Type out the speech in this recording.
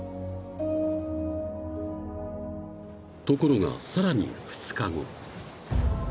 ［ところがさらに２日後］